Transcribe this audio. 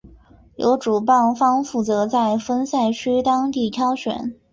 由主办方负责在分赛区当地挑选。